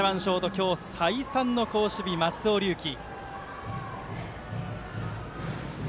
今日再三の好守備、松尾龍樹。